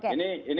ini tidak baik ya